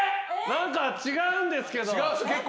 何か違うんですけど。